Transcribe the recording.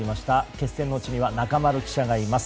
決戦の地には中丸記者がいます。